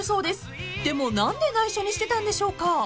［でも何で内緒にしてたんでしょうか？］